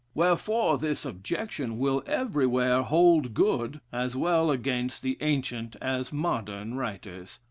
Wherefore this objection will everywhere hold good, as well against the ancient as modern writers.